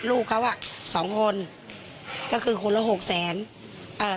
ลูกเขาสองคนก็คือคนละ๖๐๐๐๐๐บาท